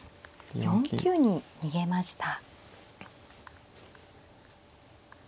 ４九に逃げました。